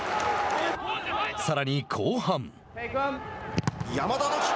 さらに後半。